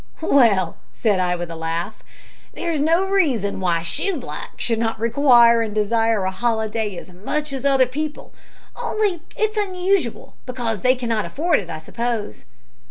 "Well," said I, with a laugh, "there is no reason why shoeblacks should not require and desire a holiday as much as other people, only it's unusual because they cannot afford it, I suppose."